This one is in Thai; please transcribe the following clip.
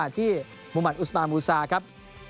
ที่มุมัติอุสมามูซาครับ